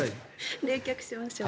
冷却しましょう。